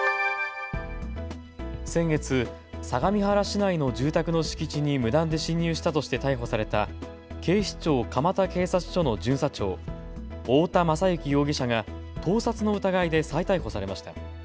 先月、相模原市内の住宅の敷地に無断で侵入したとして逮捕された警視庁蒲田警察署の巡査長、太田優之容疑者が盗撮の疑いで再逮捕されました。